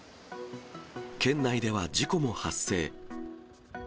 県内では事故も発生。